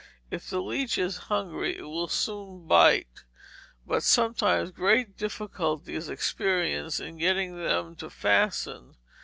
If the leech is hungry it will soon bite, but sometimes great difficulty is experienced in getting them to fasten.